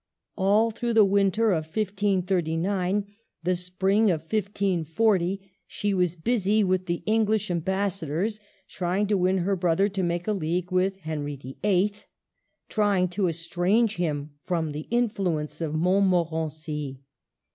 All through the winter of 1539, the spring of 1540, she is busy with the English ambassadors, try ing to win her brother to make a league with Henry VUI., trying to estrange him from the influence of Montmorency.